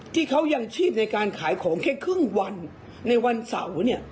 ที่เขายังชีพในการขายของแค่ครึ่งวันในวันเสาร์เนี่ย